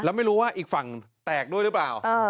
แล้วไม่รู้ว่าอีกฝั่งแตกด้วยหรือเปล่า